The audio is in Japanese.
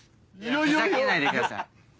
ふざけないでください。